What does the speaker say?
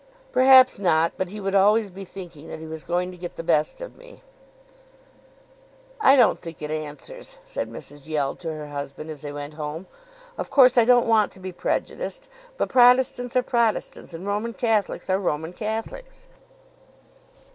"Perhaps not; but he would always be thinking that he was going to get the best of me." "I don't think it answers," said Mrs. Yeld to her husband as they went home. "Of course I don't want to be prejudiced; but Protestants are Protestants, and Roman Catholics are Roman Catholics."